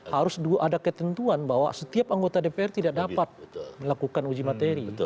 harus ada ketentuan bahwa setiap anggota dpr tidak dapat melakukan uji materi